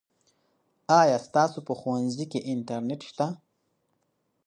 آیا ستاسو په ښوونځي کې انټرنیټ شته؟